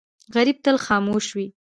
غریب تل خاموش وي